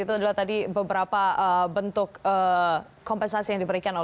itu adalah tadi beberapa bentuk kompensasi yang diberikan